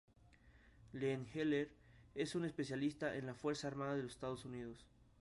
Glenn Eller es un especialista en la Fuerza Armada de los Estados Unidos.